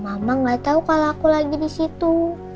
mama gak tau kalau aku lagi disitu